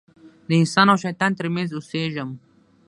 د انسان او شیطان تر منځ اوسېږم.